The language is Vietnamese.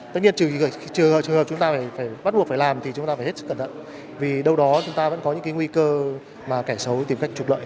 tất nhiên trừ trường hợp chúng ta phải bắt buộc phải làm thì chúng ta phải hết sức cẩn thận vì đâu đó chúng ta vẫn có những cái nguy cơ mà kẻ xấu tìm cách trục lợi